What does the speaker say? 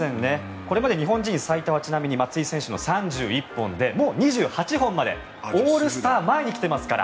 これまで日本人最多は、ちなみに松井選手の３１本でもう２８本までオールスター前に来ていますから。